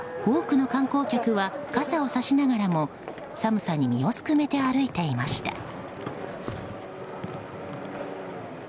多くの観光客は傘をさしながらも寒さに身をすくめて歩いていました。